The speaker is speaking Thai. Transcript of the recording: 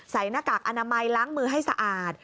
หน้ากากอนามัยล้างมือให้สะอาด